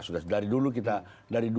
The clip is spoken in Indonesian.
dari dulu kita